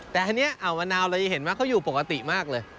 แต่อันนี้อ่าวมะนาวเราจะเห็นว่าเขาอยู่ปกติมากเลย